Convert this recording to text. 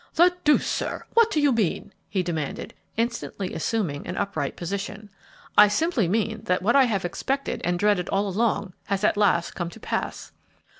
"The deuce, sir! what do you mean?" he demanded, instantly assuming an upright position. "I simply mean that what I have expected and dreaded all along has at last come to pass."